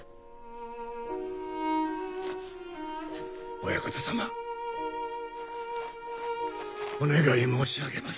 お屋形様お願い申し上げまする。